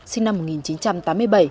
sinh năm một nghìn chín trăm tám mươi bảy